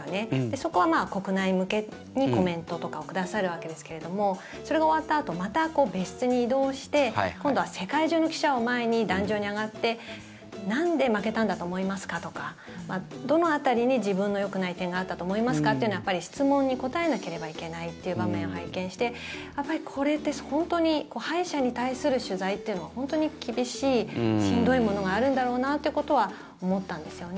そこは国内向けにコメントとかをくださるわけですけれどもそれが終わったあとまた別室に移動して今度は世界中の記者を前に壇上に上がってなんで負けたんだと思いますか？とかどの辺りに自分のよくない点があったと思いますか？というような質問に答えなければいけないという場面を拝見してやっぱりこれって敗者に対する取材というのは本当に厳しい、しんどいものがあるんだろうなということは思ったんですよね。